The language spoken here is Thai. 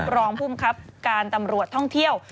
รองภูมิครับการตำรวจท่องเที่ยว